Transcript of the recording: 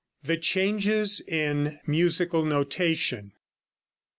THE CHANGES IN MUSICAL NOTATION.